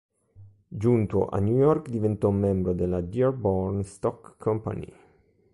Giunto a New York, diventò membro della Dearborn Stock Company.